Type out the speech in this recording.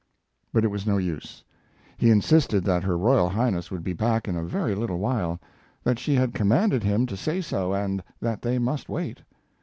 But it was no use. He insisted that her Royal Highness would be back in a very little while; that she had commanded him to say so and that they must wait.